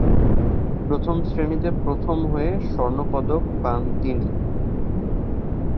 প্রথম শ্রেনীতে প্রথম হয়ে স্বর্ণপদক পান তিনি।